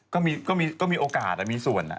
ก็มีโอกาสมีส่วน